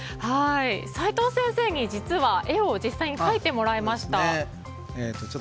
齋藤先生に実際に絵を描いてもらいました。